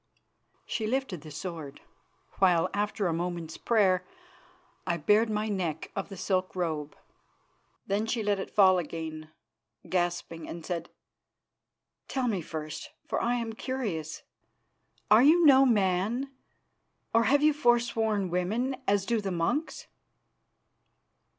She lifted the sword, while, after a moment's prayer, I bared my neck of the silk robe. Then she let it fall again, gasping, and said: "Tell me first, for I am curious. Are you no man? Or have you forsworn woman, as do the monks?"